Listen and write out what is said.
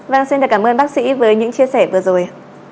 vâng xin cảm ơn bác sĩ với những chia sẻ vừa rồi